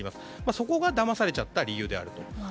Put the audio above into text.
そこがだまされちゃった理由であると。